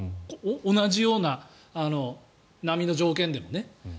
同じような波の条件でもね。